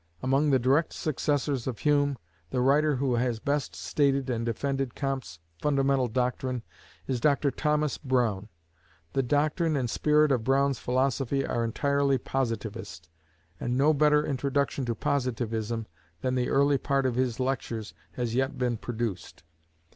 Among the direct successors of Hume, the writer who has best stated and defended Comte's fundamental doctrine is Dr Thomas Brown. The doctrine and spirit of Brown's philosophy are entirely Positivist, and no better introduction to Positivism than the early part of his Lectures has yet been produced.